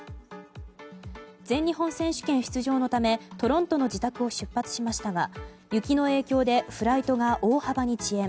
全日本選手権出場のためトロントの自宅を出発しましたが雪の影響でフライトが大幅に遅延。